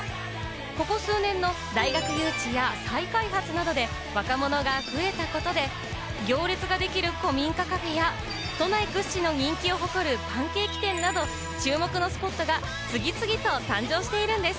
ここ数年の大学誘致や再開発などで若者が増えたことで、行列ができる古民家カフェや、都内屈指の人気を誇るパンケーキ店など、注目のスポットが次々と誕生しているんです。